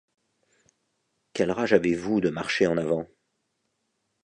Quelle rage avez-vous de marcher en avant ?